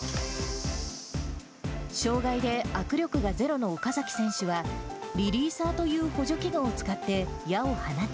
障がいで握力がゼロの岡崎選手は、リリーサーという補助機能を使って、矢を放ち。